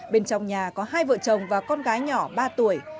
bên trong nhà có hai vợ chồng và con gái nhỏ ba tuổi